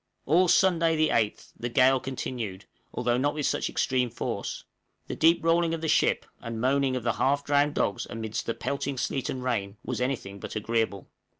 All Sunday, the 8th, the gale continued, although not with such extreme force; the deep rolling of the ship, and moaning of the half drowned dogs amidst the pelting sleet and rain, was anything but agreeable.